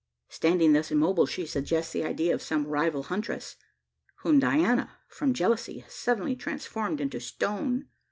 Standing thus immobile, she suggests the idea of some rival huntress, whom Diana, from jealousy, has suddenly transformed into stone.